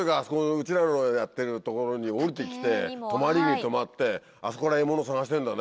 うちらのやってる所に下りて来て止まり木とまってあそこから獲物を探してんだね。